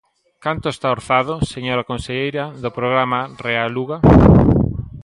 ¿Canto está orzado, señora conselleira, do programa ReHaluga?